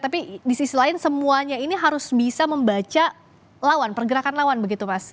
tapi di sisi lain semuanya ini harus bisa membaca lawan pergerakan lawan begitu mas